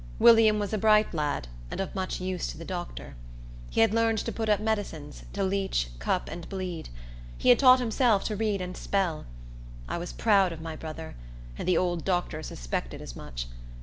William was a bright lad, and of much use to the doctor. He had learned to put up medicines, to leech, cup, and bleed. He had taught himself to read and spell. I was proud of my brother, and the old doctor suspected as much.